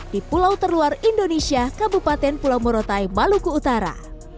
di pulau terluar indonesia kabupaten pulau morotai maluku utara